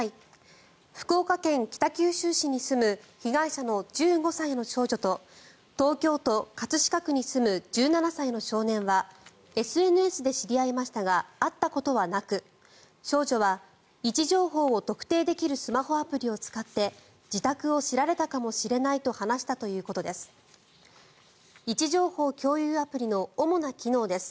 福岡県北九州市に住む被害者の１５歳の少女と東京都葛飾区に住む１７歳の少年はＳＮＳで知り合いましたが会ったことはなく少女は位置情報を特定できるスマホアプリを使って自宅を知られたかもしれないと話したということです。